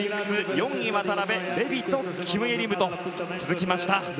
４位、渡辺レビト、キム・イェリムと続きました。